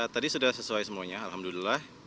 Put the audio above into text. tadi sudah sesuai semuanya alhamdulillah